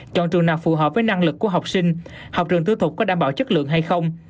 chọn trường nào phù hợp với năng lực của học sinh học trường tư thục có đảm bảo chất lượng hay không